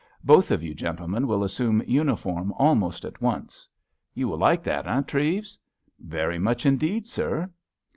Both of you gentlemen will resume uniform almost at once. You will like that, eh, Treves?" "Very much indeed, sir."